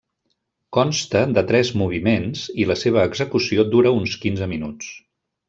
Consta de tres moviments i la seva execució dura uns quinze minuts.